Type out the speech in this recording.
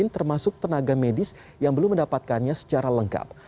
termasuk tenaga medis yang belum mendapatkannya secara lengkap